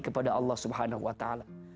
kepada allah subhanahu wa ta'ala